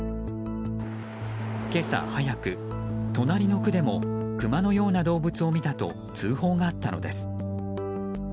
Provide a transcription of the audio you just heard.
今朝早く、隣の区でもクマのような動物を見たと通報があったのです。